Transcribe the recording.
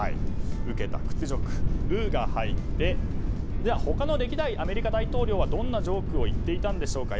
受けた屈辱の「ウ」が入って他の歴代アメリカ大統領はどんなジョークを言っていたのでしょうか。